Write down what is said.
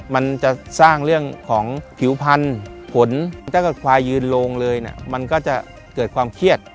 มันจะสร้างเรื่องของผิวพันธุ์ผลถ้าเกิดควายยืนโลงเลยเนี่ยมันก็จะเกิดความเครียด